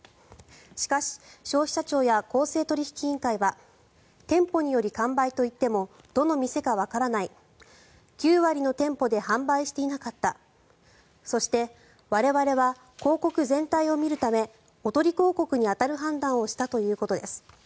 しかし消費者庁や公正取引委員会は店舗により完売といってもどの店かわからない９割の店舗で販売していなかったそして、我々は広告全体を見るためおとり広告に当たる判断をしたということです。